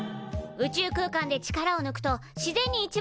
宇宙空間で力をぬくと自然に一番楽な姿勢